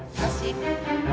terima kasih bu